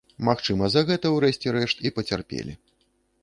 Магчыма за гэта, у рэшце рэшт, і пацярпелі.